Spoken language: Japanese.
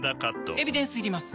エビデンスいります？